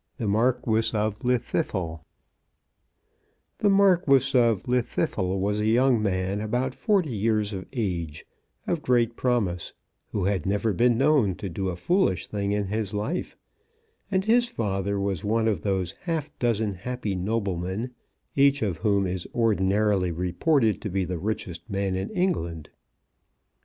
The Marquis of Llwddythlw was a young man about forty years of age, of great promise, who had never been known to do a foolish thing in his life, and his father was one of those half dozen happy noblemen, each of whom is ordinarily reported to be the richest man in England.